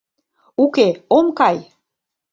Уке, ом кай!